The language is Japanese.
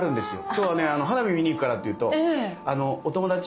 「今日はね花火見に行くから」って言うと「お友達？」